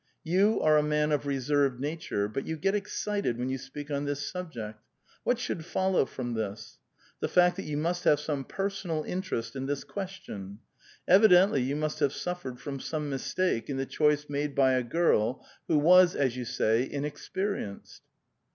You are a man of reserved nature, but you get excited when you speak on this subject. What slionid follow from this? The fact that you must have some personal interest in this question. Evidently you must have suffered from some mistake in the choice made by a girl who was, as 3'ou say, inexperienced."